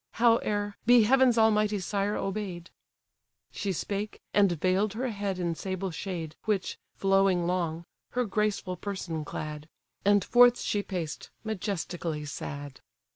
Howe'er, be heaven's almighty sire obey'd—" She spake, and veil'd her head in sable shade, Which, flowing long, her graceful person clad; And forth she paced, majestically sad.